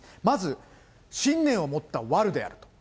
まず信念を持ったワルである。